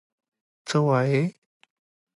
څه وایې؟